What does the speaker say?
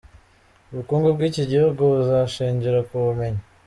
Ubukungu bw’iki gihugu buzashingira ku bumenyi.